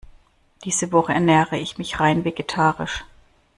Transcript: Diese Woche ernähre ich mich rein vegetarisch.